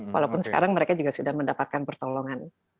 walaupun sekarang mereka juga sudah mendapatkan pertolongan